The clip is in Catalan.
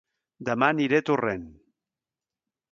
Dema aniré a Torrent